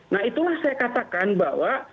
nah itulah saya katakan bahwa